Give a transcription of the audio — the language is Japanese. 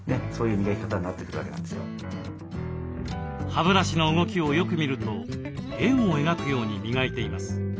歯ブラシの動きをよく見ると円を描くように磨いています。